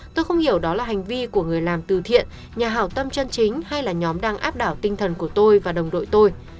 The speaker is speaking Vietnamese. tôi không hiểu đó là hành vi của người làm từ thiện nhà hào tâm chân chính hay là nhóm đang áp đảo tinh thần của tôi và đồng đội tôi